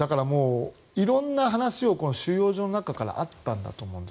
色んな話が収容所の中であったんだと思うんです。